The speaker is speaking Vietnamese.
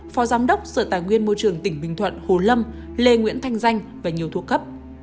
phó giám đốc sở tài nguyên môi trường tỉnh bình thuận hồ lâm lê nguyễn thanh danh và nhiều thuộc cấp